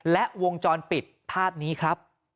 และวงจรปิดภาพนี้ครับ